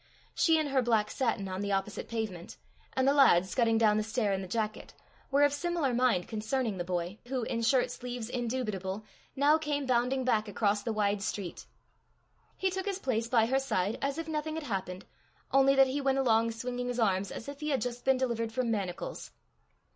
She in her black satin on the opposite pavement, and the lad scudding down the stair in the jacket, were of similar mind concerning the boy, who, in shirt sleeves indubitable, now came bounding back across the wide street. He took his place by her side as if nothing had happened, only that he went along swinging his arms as if he had just been delivered from manacles.